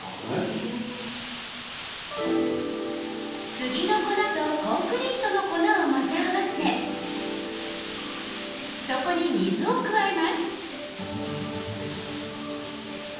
杉の粉とコンクリートの粉を混ぜ合わせそこに水を加えます